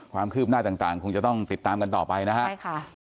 ความคืบหน้าต่างคงจะต้องติดตามกันต่อไปนะฮะใช่ค่ะ